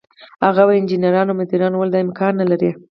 هغه وايي: "انجنیرانو او مدیرانو ویل دا امکان نه لري،